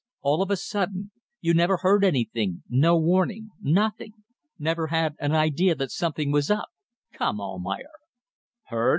All of a sudden. You never heard anything no warning. Nothing. Never had an idea that something was up? Come, Almayer!" "Heard!